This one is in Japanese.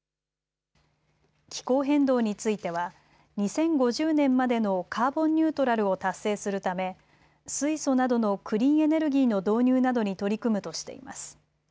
気候変動については２０５０年までのカーボンニュートラルを達成するため水素などのクリーンエネルギーの導入などに取り組むとしています。